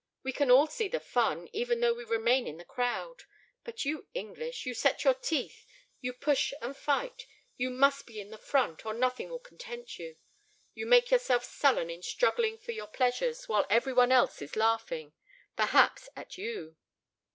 We can all see the fun, even though we remain in the crowd. But you English, you set your teeth, you push and fight; you must be in the front, or nothing will content you. You make yourselves sullen in struggling for your pleasures, while every one else is laughing, perhaps at you."